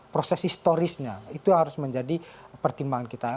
proses historisnya itu harus menjadi pertimbangan kita